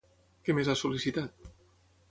Què més ha sol·licitat?